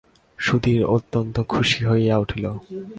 সুধীর অত্যন্ত খুশি হইয়া উঠিল।